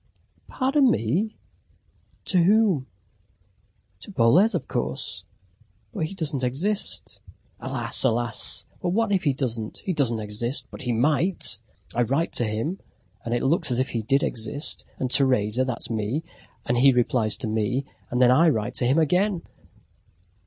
"Pardon me to whom?" "To Boles, of course." "But he doesn't exist." "Alas! alas! But what if he doesn't? He doesn't exist, but he might! I write to him, and it looks as if he did exist. And Teresa that's me, and he replies to me, and then I write to him again..."